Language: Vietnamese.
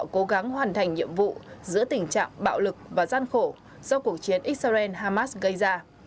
cố gắng hoàn thành nhiệm vụ giữa tình trạng bạo lực và gian khổ do cuộc chiến israel hamas gây ra